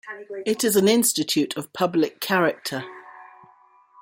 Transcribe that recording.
It is an Institute of Public Character.